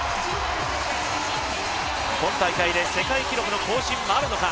今大会で世界記録の更新もあるのか。